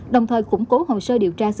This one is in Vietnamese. đồng thời củng cố hồ sơ điều tra xử lý